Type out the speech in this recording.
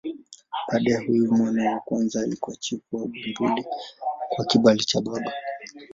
Baadaye huyu mwana wa kwanza alikuwa chifu wa Bumbuli kwa kibali cha baba.